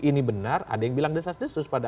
ini benar ada yang bilang desas desus pada